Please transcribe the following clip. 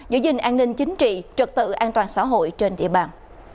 giữ gìn an ninh chính trị trật tự an toàn xã hội trên địa bàn